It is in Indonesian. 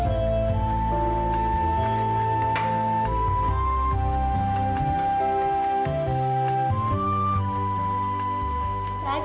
aku mau ini disuapin sama kamu